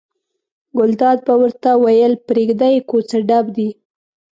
ګلداد به ورته ویل پرېږده یې کوڅه ډب دي.